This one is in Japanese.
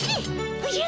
おじゃ。